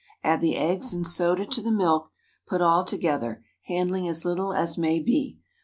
Add the eggs and soda to the milk; put all together, handling as little as may be.